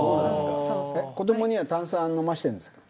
子どもには炭酸飲ませてるんですか。